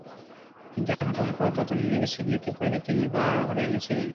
কিন্তু এখন পর্যন্ত পাওয়া তথ্য অনুযায়ী, অ্যাসিড নিক্ষেপকারীদের তিনিই ভাড়া করে এনেছিলেন।